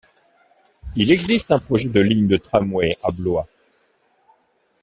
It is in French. Il existe un projet de ligne de tramway à Blois.